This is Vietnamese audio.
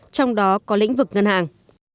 trong đó có lĩnh vực ngân hàng